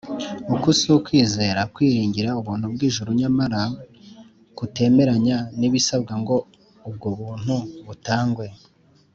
. Uku si ukwizera kwiringira ubuntu bw’ijuru nyamara kutemeranya n’ibisabwa ngo ubwo buntu butangwe